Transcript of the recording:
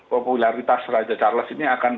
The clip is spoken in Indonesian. popularitas raja charles ini akan